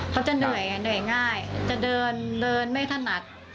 เขาจะเหนื่อยเหนื่อยง่ายจะเดินเดินไม่ถนัด